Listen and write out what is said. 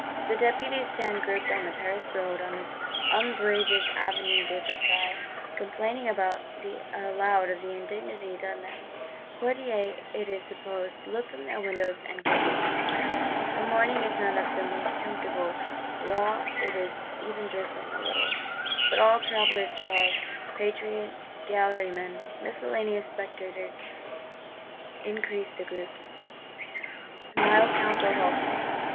The Deputies stand grouped on the Paris Road, on this umbrageous Avenue de Versailles; complaining aloud of the indignity done them. Courtiers, it is supposed, look from their windows, and giggle. The morning is none of the comfortablest: raw; it is even drizzling a little. But all travellers pause; patriot gallery men, miscellaneous spectators increase the groups. Wild counsels alternate.